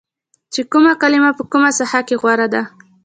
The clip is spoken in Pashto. چې کومه کلمه په کومه ساحه کې غوره ده